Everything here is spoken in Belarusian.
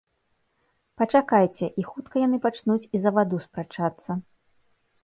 Пачакайце, і хутка яны пачнуць і за ваду спрачацца.